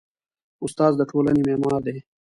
استاد د ټولنې معمار دی.